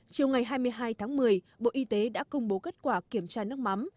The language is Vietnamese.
chiều ngày hai mươi hai tháng một mươi bộ y tế đã công bố kết quả kiểm tra nước mắm